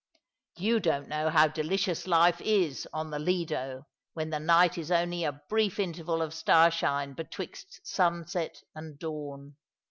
You don't know how delicious life is on the Lido Vthen the night is only a brief interval of starshine betwixt sunset and dawn.